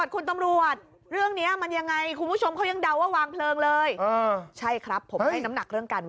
ใครจะมาวางในป่า